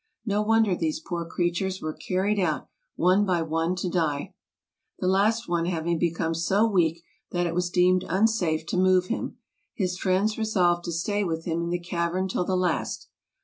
No wonder these poor creatures were carried out one by one to die. The last one having become so weak that it was deemed unsafe to move him, his friends resolved to stay with him in the cavern till the last.